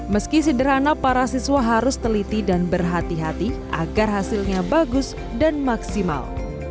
meski sederhana para siswa harus teliti dan berhati hati agar hasilnya bagus dan maksimal